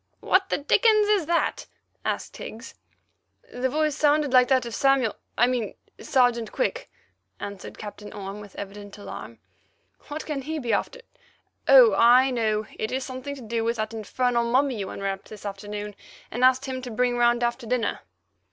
"What the dickens is that?" asked Higgs. "The voice sounded like that of Samuel—I mean Sergeant Quick," answered Captain Orme with evident alarm; "what can he be after? Oh, I know, it is something to do with that infernal mummy you unwrapped this afternoon, and asked him to bring round after dinner."